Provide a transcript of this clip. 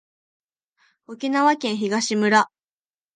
沖縄県東村